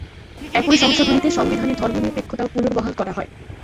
একই সংশোধনীতে সংবিধানে ধর্মনিরপেক্ষতাও পুনর্বহাল করা হয়।